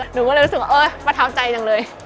หนูก็เลยรู้สึกว่าเออประทับใจจังเลย